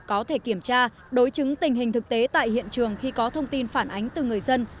có thể kiểm tra đối chứng tình hình thực tế tại hiện trường khi có thông tin phản ánh từ người dân